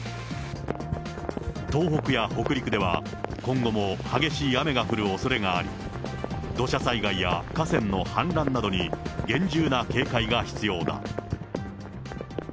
東北や北陸では、今後も激しい雨が降るおそれがあり、土砂災害や河川の氾濫などに厳重な警戒が必要だ。